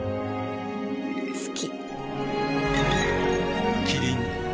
好き。